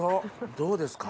どうですか？